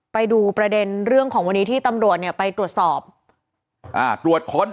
ไปดูประเด็นเรื่องของวันนี้ที่ตำรวจเนี่ยไปตรวจสอบอ่าตรวจค้น